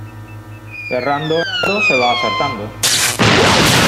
Errando, errando, se va acertando.